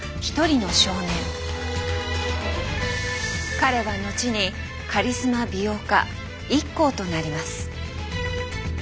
彼は後にカリスマ美容家ＩＫＫＯとなります。